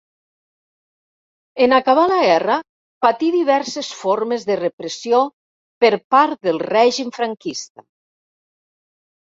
En acabar la guerra, patí diverses formes de repressió per part del règim franquista.